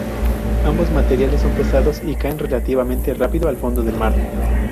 Ambos materiales son pesados, y caen relativamente rápido al fondo del mar.